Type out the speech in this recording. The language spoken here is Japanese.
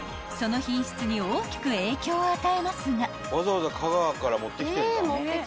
［その品質に大きく影響を与えますが］